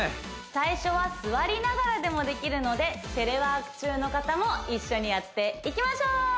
最初は座りながらでもできるのでテレワーク中の方も一緒にやっていきましょう！